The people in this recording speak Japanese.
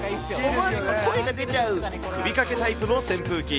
思わず声が出ちゃう、首かけタイプの扇風機。